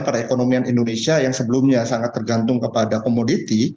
perekonomian indonesia yang sebelumnya sangat tergantung kepada komoditi